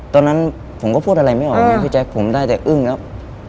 ตอนนั้นผมก็พูดอะไรไม่ออกไงพี่แจ๊คผมได้แต่อึ้งแล้ว